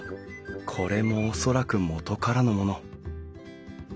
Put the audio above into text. これも恐らく元からのもの。